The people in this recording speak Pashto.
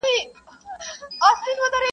ښه او بد لټوه ځان کي ایینه کي نیرنګ نه وي,